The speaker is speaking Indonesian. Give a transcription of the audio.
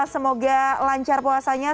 semoga lancar puasanya